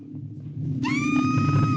キャ！